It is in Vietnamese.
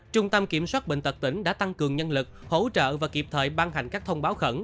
trung tâm kiểm soát bệnh tật tỉnh đã tăng cường nhân lực hỗ trợ và kịp thời ban hành các thông báo khẩn